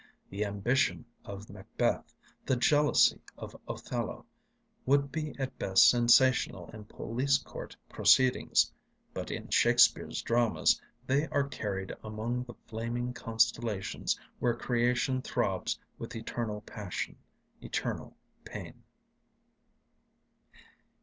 The ambition of Macbeth, the jealousy of Othello, would be at best sensational in police court proceedings; but in Shakespeare's dramas they are carried among the flaming constellations where creation throbs with Eternal Passion, Eternal Pain.